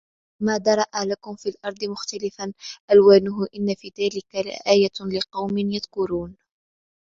وما ذرأ لكم في الأرض مختلفا ألوانه إن في ذلك لآية لقوم يذكرون